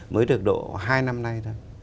mới được độ hai năm nay thôi